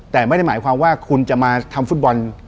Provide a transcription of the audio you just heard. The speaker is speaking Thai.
แต่ไม่ได้หมายความว่าคุณจะมาทำฟุตบอล